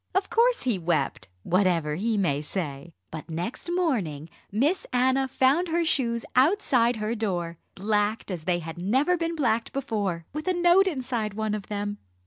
Of course he wept whatever he may say. But next morning Miss Anna found her shoes outside her door, blacked as they had never been blacked before, with a note inside one of them.